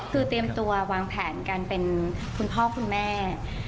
คือเตรียมตัววางแผนการเป็นคุณพ่อคุณแม่